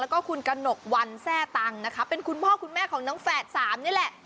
แล้วก็คุณกระหนกวันแทร่ตังนะคะเป็นคุณพ่อคุณแม่ของน้องแฝดสามนี่แหละ